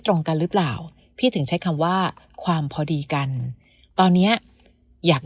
ตรงกันหรือเปล่าพี่ถึงใช้คำว่าความพอดีกันตอนเนี้ยอยาก